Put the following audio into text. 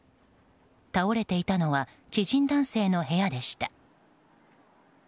倒れていたのは知人男性の部屋でした。